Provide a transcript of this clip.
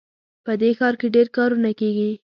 په دې ښار کې ډېر کارونه کیږي